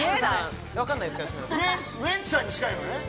ウエンツさんに近いのよね？